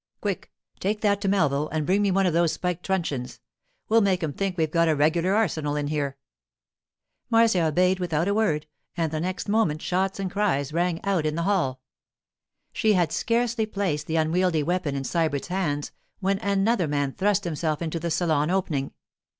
'Quick, take that to Melville and bring me one of those spiked truncheons. We'll make 'em think we've got a regular arsenal in here.' Marcia obeyed without a word, and the next moment shots and cries rang out in the hall. She had scarcely placed the unwieldy weapon in Sybert's hands when another man thrust himself into the salon opening.